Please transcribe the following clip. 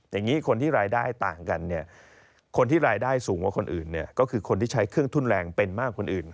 อย่างนี้คนที่รายได้ต่างกันเนี่ยคนที่รายได้สูงกว่าคนอื่นก็คือคนที่ใช้เครื่องทุนแรงเป็นมากคนอื่น